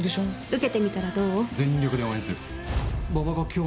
受けてみたらどう？